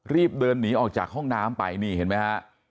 รีบเดินหนีออกจากห้องน้ำไปนี่เห็นไหมฮะ